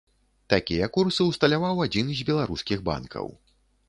Такія курсы ўсталяваў адзін з беларускіх банкаў.